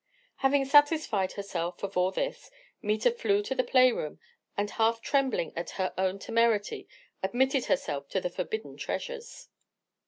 Having satisfied herself of all this, Meta flew to the play room, and half trembling at her own temerity, admitted herself to the forbidden treasures.